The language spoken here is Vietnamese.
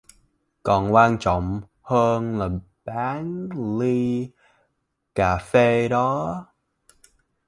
Còn quan trọng hơn là bán ly cà phê đó